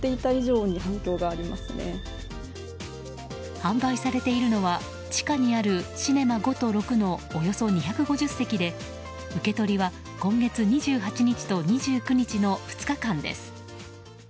販売されているのは地下にあるシネマ５と６のおよそ２５０席で、受け取りは今月２８日と２９日の２日間です。